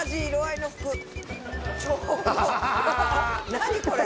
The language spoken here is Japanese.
何これ。